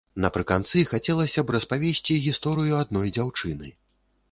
Напрыканцы хацелася б распавесці гісторыю адной дзяўчыны.